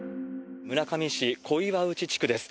村上市小岩内地区です。